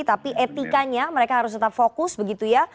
tapi etikanya mereka harus tetap fokus begitu ya